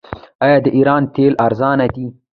آیا د ایران تیل ارزانه دي؟